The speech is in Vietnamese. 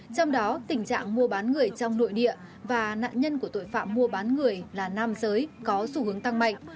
trong đó tình trạng mua bán người trong nội địa và nạn nhân của tội phạm mua bán người là nam giới có xu hướng tăng mạnh